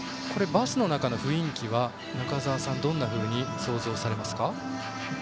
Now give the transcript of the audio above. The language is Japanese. バスの中の雰囲気は中澤さん、どんなふうに想像されますか。